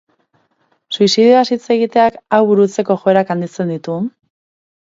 Suizidioaz hitz egiteak hau burutzeko joerak handitzen ditu?